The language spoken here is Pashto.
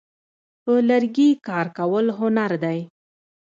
په لرګي کار کول هنر دی.